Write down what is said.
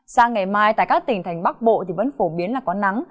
sang ngày mai tại các tỉnh thành bắc bộ thì vẫn phổ biến là có nắng